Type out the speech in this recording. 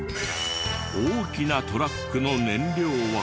大きなトラックの燃料は。